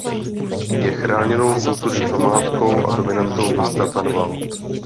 Je chráněnou kulturní památkou a dominantou města Tanvald.